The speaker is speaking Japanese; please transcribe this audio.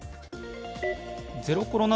ゼロコロナ